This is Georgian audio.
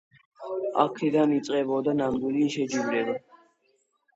აქედან იწყებოდა ნამდვილი შეჯიბრება.